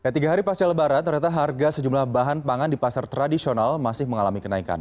tiga hari pasca lebaran ternyata harga sejumlah bahan pangan di pasar tradisional masih mengalami kenaikan